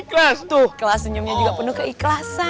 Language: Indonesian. ikhlas tuh ikhlas senyumnya juga penuh keikhlasan